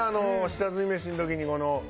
下積みメシの時にこの。